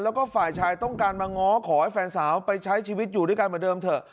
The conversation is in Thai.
แล้วก็ฝ่ายชายต้องการมาง้อขอให้แฟนสาวไปใช้ชีวิตอยู่ด้วยกันเหมือนเดิมเถอะ